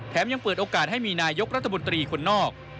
ยังเปิดโอกาสให้มีนายกรัฐมนตรีคนนอก